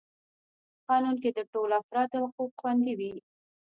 قانون کي د ټولو افرادو حقوق خوندي وي.